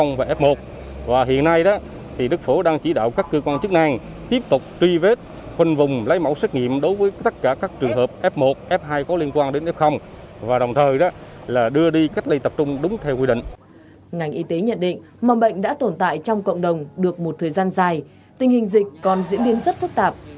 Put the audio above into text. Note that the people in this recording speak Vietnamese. ngành y tế nhận định mầm bệnh đã tồn tại trong cộng đồng được một thời gian dài tình hình dịch còn diễn biến rất phức tạp